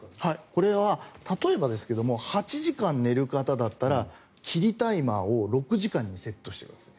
これは例えばですが８時間寝る方だったら切りタイマーを６時間にセットしてください。